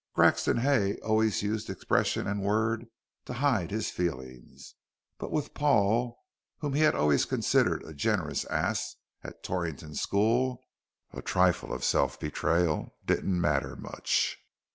Grexon Hay always used expression and word to hide his feelings. But with Paul whom he had always considered a generous ass at Torrington school a trifle of self betrayal didn't matter much.